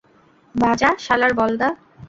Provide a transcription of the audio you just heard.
বাজা, শালার বলদা।